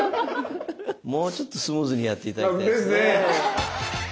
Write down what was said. もうちょっとスムーズにやっていただきたいですね。ですねえ。